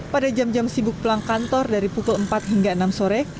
pada jam jam sibuk pulang kantor dari pukul empat hingga enam sore